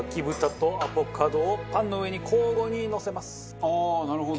ああなるほど。